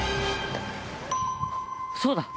そうだ！